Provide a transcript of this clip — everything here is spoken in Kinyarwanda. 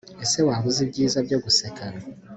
Ese waba uzi ibyiza byo guseka